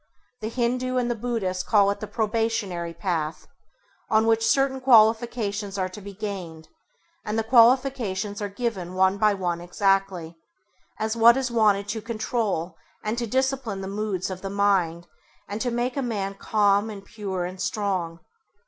The Hindû and the Buddhist call it the probationary path, on which certain qualifications are to be gained and the qualifications are given one by one exactly, as what is wanted to control and to discipline the moods of the mind and to make a man calm and pure and strong.